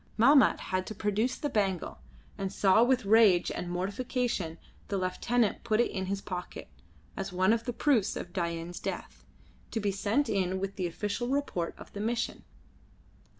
Mahmat had to produce the bangle, and saw with rage and mortification the lieutenant put it in his pocket, as one of the proofs of Dain's death, to be sent in with the official report of the mission.